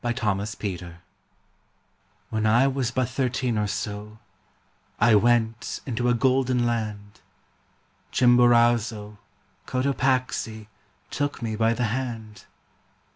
J. TURNER ROMANCE When I was but thirteen or so I went into a golden land, Chimborazo, Cotopaxi Took me by the hand.